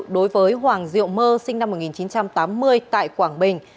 đối với hoàng diệu mơ sinh năm một nghìn chín trăm tám mươi tại quảng bình